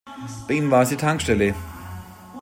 Bei ihm war es die Tankstelle.